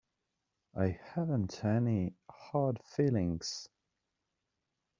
I haven't any hard feelings.